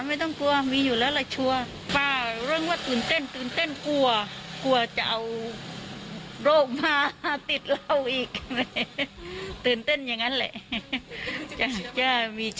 เดี๋ยวมีอยู่แล้วล่ะเข้าศาลไม่ต้องกลัว